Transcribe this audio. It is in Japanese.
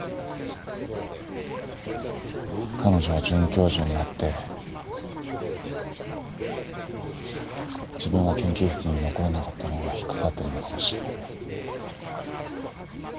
彼女が准教授になって自分は研究室に残れなかったのが引っ掛かってるのかもしれない。